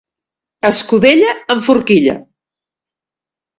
Escudella amb forquilla.